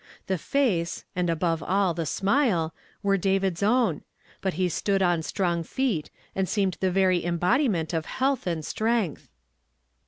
Tlie face, and above all the smile, were David's own ; but he stood on strong feet, and seemed the very embodiment of health and strength